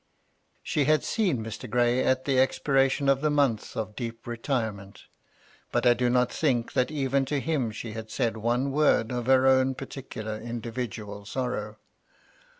She had seen Mr. Gray at the expiration of the month of deep retirement. But I do not think that even to him she had said one word of her own particular individual sorrow.